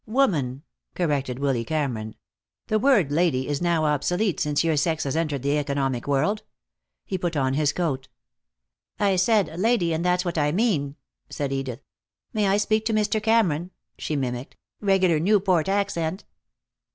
"Woman," corrected Willy Cameron. "The word 'lady' is now obsolete, since your sex has entered the economic world." He put on his coat. "I said 'lady' and that's what I mean," said Edith. "'May I speak to Mr. Cameron?'" she mimicked. "Regular Newport accent."